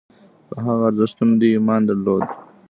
په هغه ارزښتونو دوی ایمان درلود.